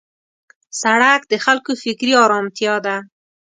سړک د خلکو فکري آرامتیا ده.